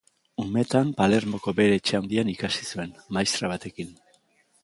Umetan Palermoko bere etxe handian ikasi zuen, maistra batekin.